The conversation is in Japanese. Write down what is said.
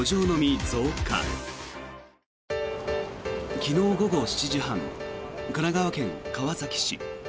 昨日午後７時半神奈川県川崎市。